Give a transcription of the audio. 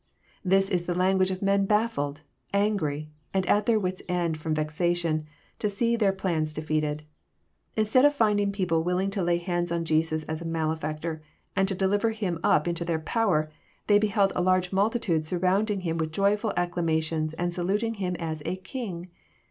'] This Is the language of men baffled, angry, and at their wits* end fkrom vexation, to see their plans defeated. Instead of finding people willing to lay hands on Jesus as a malefactor, and to deliver Him up into their power, they beheld a large multitude surrounding Him with Joyful acclamations, and saluting Him as a King!